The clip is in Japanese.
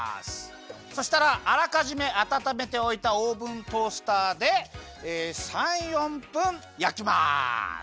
そしたらあらかじめあたためておいたオーブントースターで３４分やきます。